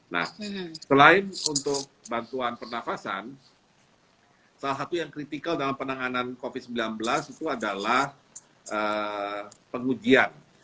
nah selain untuk bantuan pernafasan salah satu yang kritikal dalam penanganan covid sembilan belas itu adalah pengujian